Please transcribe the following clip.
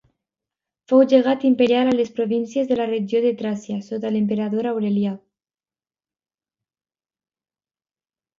Fou llegat imperial a les províncies de la regió de Tràcia sota l'emperador Aurelià.